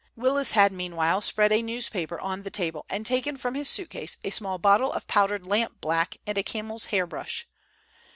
Willis had meanwhile spread a newspaper on the table and taken from his suitcase a small bottle of powdered lamp black and a camel's hair brush.